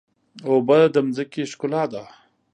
اوبه د ځمکې ښکلا ده.